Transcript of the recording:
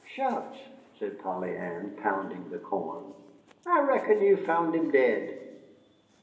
"Shucks," said Polly Ann, pounding the corn, "I reckon you found him dead."